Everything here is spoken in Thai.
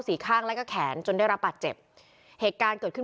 ข้างแล้วก็แขนจนได้รับบาดเจ็บเหตุการณ์เกิดขึ้น